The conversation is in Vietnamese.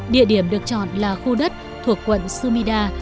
địa điểm được chọn là khu đất thuộc quận sumida